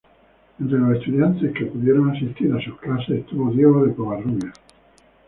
Entre los estudiantes que pudieron asistir a sus clases estuvo Diego de Covarrubias.